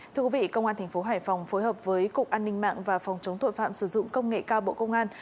thưa quý vị công an tp hải phòng phối hợp với cục an ninh mạng và phòng chống tội phạm sử dụng công nghệ cao bộ công an